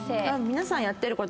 皆さんやってること